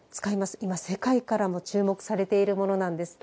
今、世界からも注目されているものなんです。